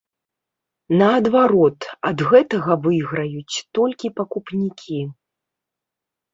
Наадварот, ад гэтага выйграюць толькі пакупнікі.